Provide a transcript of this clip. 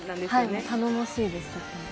はい、頼もしいです。